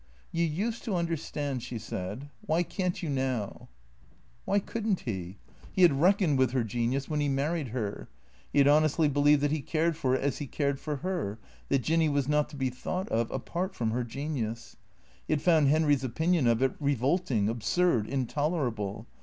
" You used to understand," she said. " Why can't you now ?" Wliy could n't he ? He had reckoned with her genius when he married her. He had honestly believed that he cared for it as he cared for her, that Jinny was not to be thought of apart from her genius. He had found Henry's opinion of it revolt ing, absurd, intolerable.